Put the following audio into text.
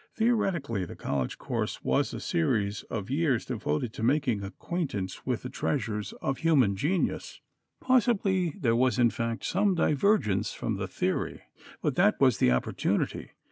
Theoretically the college course was a series of years devoted to making acquaintance with the treasures of human genius. Possibly there was in fact some divergence from the theory. But that was the opportunity.